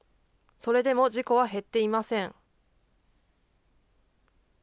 それでも事故は減っていません。